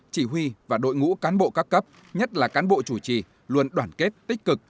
chỉ huy và đội ngũ cán bộ các cấp nhất là cán bộ chủ trì luôn đoàn kết tích cực